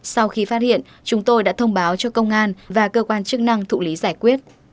sau khi phát hiện chúng tôi đã thông báo cho công an và cơ quan chức năng thụ lý giải quyết